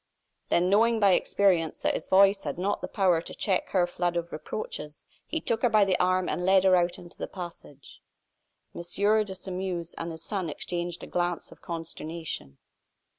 Then, knowing by experience that his voice had not the power to check her flood of reproaches, he took her by the arm and led her out into the passage. M. de Sairmeuse and his son exchanged a glance of consternation.